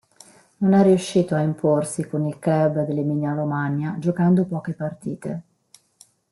Non è riuscito a imporsi con il club dell'Emilia-Romagna giocando poche partite.